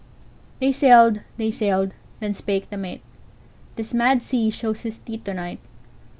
They sailed. They sailed. Then spake the mate:"This mad sea shows his teeth to night.